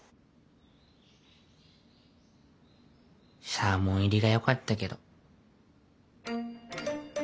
サーモン入りがよかったけど。